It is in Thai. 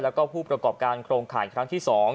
แล้วก็ผู้ประกอบการโครงข่ายครั้งที่๒